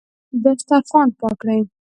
دسترخوان پاک کړئ